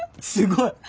すごい！